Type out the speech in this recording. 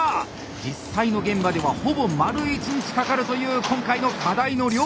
実際の現場ではほぼ丸１日かかるという今回の課題の量。